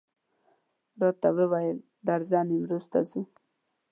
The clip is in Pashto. راته وویل درځه نیمروز ته ځو.